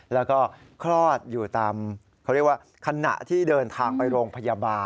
แล้วก็คลอดอยู่ตามเขาเรียกว่าขณะที่เดินทางไปโรงพยาบาล